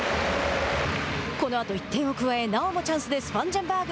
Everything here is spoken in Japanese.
このあと１点を加えなおもチャンスでスパンジェンバーグ。